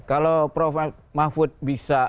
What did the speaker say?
kalau prof mahfud bisa